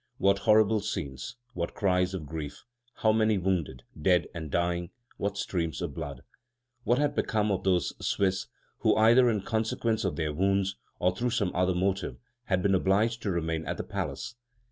What horrible scenes, what cries of grief, how many wounded, dead, and dying, what streams of blood! What had become of those Swiss who, either in consequence of their wounds, or through some other motive, had been obliged to remain at the palace?